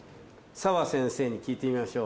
澤先生に聞いてみましょう。